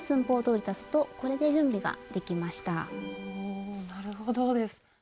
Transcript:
おなるほどです。